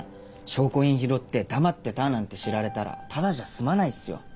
証拠品拾って黙ってたなんて知られたらただじゃ済まないっすよ。